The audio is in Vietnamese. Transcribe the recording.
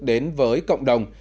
đến với cộng đồng